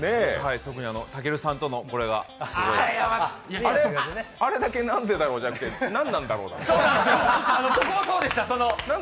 特にたけるさんとのこれが、すごいあれだけなんでだろうじゃなくてなんなんだろうに。